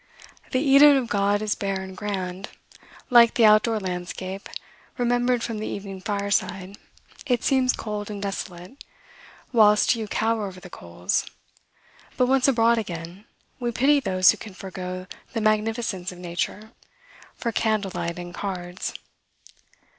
The Eden of God is bare and grand: like the outdoor landscape, remembered from the evening fireside, it seems cold and desolate, whilst you cower over the coals; but, once abroad again, we pity those who can forego the magnificence of nature, for candle light and cards.